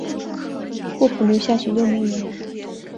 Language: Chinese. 霍普留下许多名言。